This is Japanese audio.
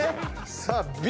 さあＢ。